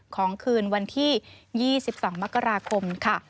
ของคืนวันที่๒๒มกราคมค่ะ